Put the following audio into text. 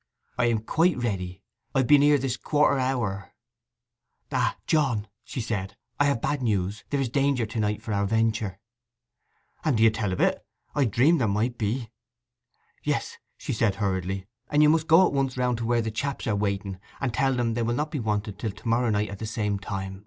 'I be quite ready—I've been here this quarter hour.' 'Ah, John,' said she, 'I have bad news; there is danger to night for our venture.' 'And d'ye tell o't! I dreamed there might be.' 'Yes,' she said hurriedly; 'and you must go at once round to where the chaps are waiting, and tell them they will not be wanted till to morrow night at the same time.